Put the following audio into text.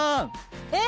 えっ？